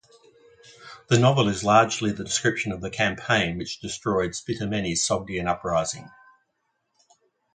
The novel is largely the description of the campaign which destroyed Spitamenes' Sogdian uprising.